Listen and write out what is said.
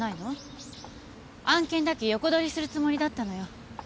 案件だけ横取りするつもりだったのよ。